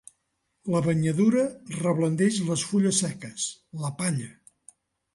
La banyadura reblaneix les fulles seques, la palla.